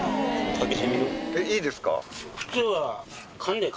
いいですか？